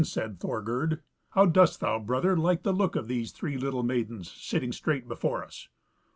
Then said Thorgerd, "How dost thou, brother, like the look of these three little maidens sitting straight before us?"